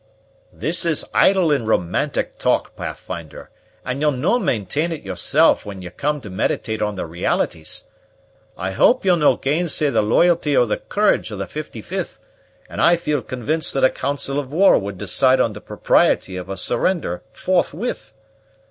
"This is idle and romantic talk, Pathfinder, and ye'll no maintain it yourself when ye come to meditate on the realities. I hope ye'll no' gainsay the loyalty or the courage of the 55th, and I feel convinced that a council of war would decide on the propriety of a surrender forthwith.